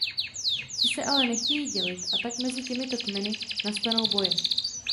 Ti se ale nechtějí dělit a tak mezi těmito kmeny nastanou boje.